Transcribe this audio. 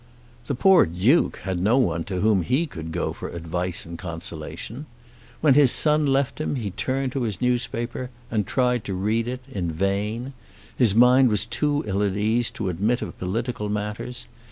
The poor Duke had no one to whom he could go for advice and consolation. When his son left him he turned to his newspaper, and tried to read it in vain. His mind was too ill at ease to admit of political matters.